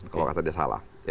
kalau saya salah